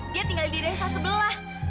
dia tinggal di desa sebelah